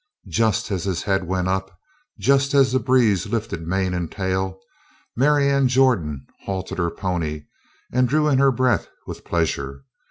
Just as his head went up, just as the breeze lifted mane and tail, Marianne Jordan halted her pony and drew in her breath with pleasure.